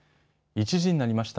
１時になりました。